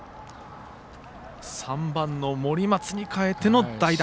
３番の森松に代えての代打。